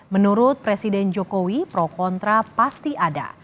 menurut presiden jokowi pro kontra pasti ada